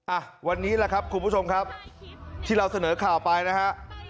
อ่ะวันนี้แหละครับคุณผู้ชมครับที่เราเสนอข่าวไปนะฮะ